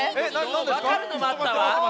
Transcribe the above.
わかるのもあったわ。